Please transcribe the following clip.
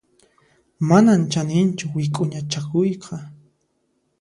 Manan chaninchu wik'uña chakuyqa.